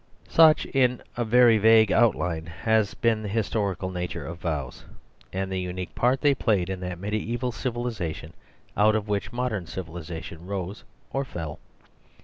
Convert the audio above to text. Such, in very vague outline, has been the historical nature of vows ; and the unique part The Story of the Vow 95 they played in that mediaeval civilisation out of which modern civilisation rose — or fell.